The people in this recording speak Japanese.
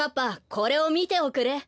これをみておくれ。